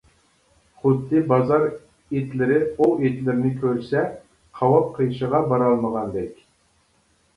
خۇددى بازار ئىتلىرى ئوۋ ئىتلىرىنى كۆرسە قاۋاپ قېشىغا بارالمىغاندەك.